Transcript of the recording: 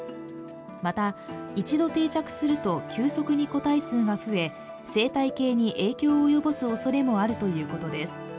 また、一度定着すると急速に個体数が増え生態系に影響を及ぼすおそれもあるということです。